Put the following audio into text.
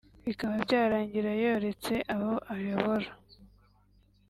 bikaba byarangira yoretse abo ayobora